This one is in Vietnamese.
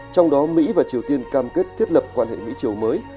trong đó mỹ và triều tiên cam kết thiết lập quan hệ mỹ triều mới